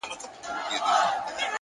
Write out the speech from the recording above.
ښه نوم په کلونو جوړیږي,